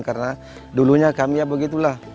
karena dulunya kami ya begitulah